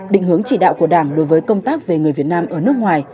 định hướng chỉ đạo của đảng đối với công tác về người việt nam ở nước ngoài